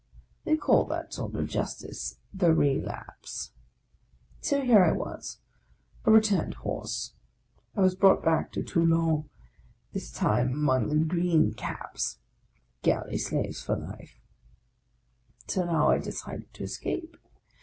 They call that sort of justice the relapse. So here I was, a returned horse. I was brought back to Tou lon,— this time among the Green caps (galley slaves for life) ; so now I decided to escape.